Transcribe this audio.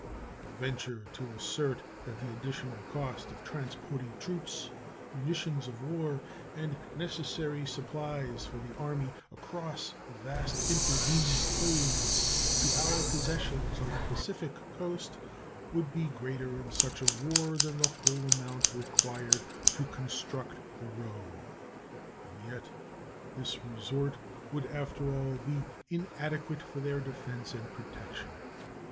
I venture to assert that the additional cost of transporting troops, munitions of war, and necessary supplies for the Army across the vast intervening plains to our possessions on the Pacific Coast would be greater in such a war than the whole amount required to construct the road. And yet this resort would after all be inadequate for their defense and protection.